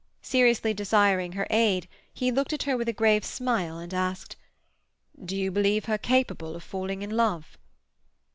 Seriously desiring her aid, he looked at her with a grave smile, and asked,— "Do you believe her capable of falling in love?"